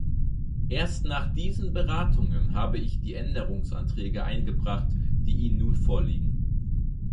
Erst nach diesen Beratungen habe ich die Änderungsanträge eingebracht, die Ihnen nun vorliegen.